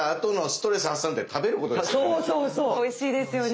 おいしいですよね。